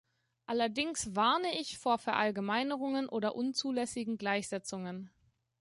Allerdings warne ich vor Verallgemeinerungen oder unzulässigen Gleichsetzungen.